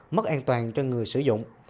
mất an toàn cho người sử dụng